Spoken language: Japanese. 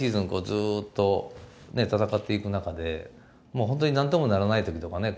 ずっと戦っていく中でもうホントに何ともならないときとかね